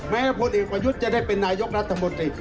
พลเอกประยุทธ์จะได้เป็นนายกรัฐมนตรี